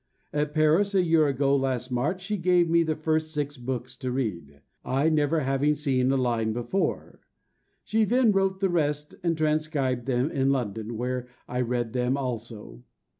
At Paris, a year ago last March, she gave me the first six books to read, I never having seen a line before. She then wrote the rest and transcribed them in London, where I read them also.